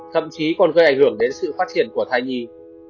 thậm chí còn gây ảnh hưởng đến sự phát triển của thai nhi